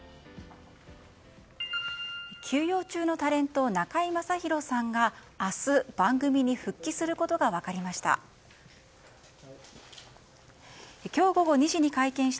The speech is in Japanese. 休養中のタレント中居正広さんが明日、番組に復帰することが分かりました。